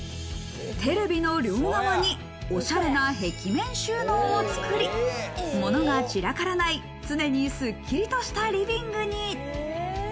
テレビの両側におしゃれな壁面収納を作り、物が散らからない、常にすっきりとしたリビングに。